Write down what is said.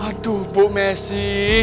aduh bu messi